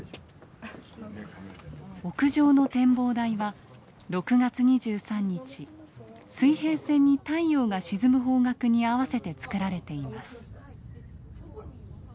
屋上の展望台は６月２３日水平線に太陽が沈む方角に合わせてつくられています。